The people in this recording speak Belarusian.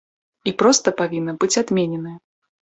І проста павінна быць адмененае.